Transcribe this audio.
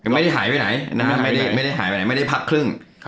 ไม่ได้หายไปไหนนะฮะไม่ได้หายไปไหนไม่ได้พักครึ่ง